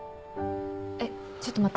えっちょっと待って。